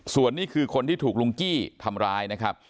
ส่วนนี้คือคนที่ถูกลุงกี้ทำร้ายนะครับ